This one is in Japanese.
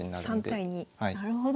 なるほど。